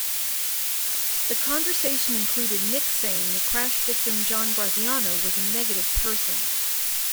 The conversation included Nick saying that crash victim John Graziano was a negative person.